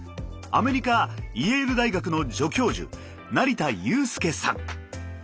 アメリカイェール大学の助教授成田悠輔さん。